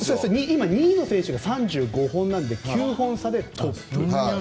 今、２位の選手が３５本なので９本差でトップ。